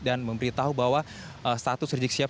dan memberi tahu bahwa status rizik sihab